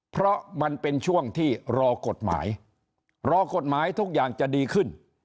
เพราะมันเป็นช่วงที่รอกฎหมายรอกฎหมายทุกอย่างจะดีขึ้น